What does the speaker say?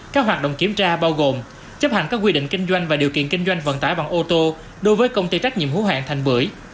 các hoạt động kiểm tra bao gồm chấp hành các quy định kinh doanh và điều kiện kinh doanh vận tải bằng ô tô đối với công ty trách nhiệm hữu hạng thành bưởi